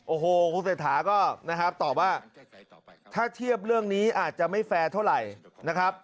โอ้โหคุณเศรษฐาก็นะครับตอบว่าถ้าเทียบเรื่องนี้อาจจะไม่แฟร์เท่าไหร่นะครับ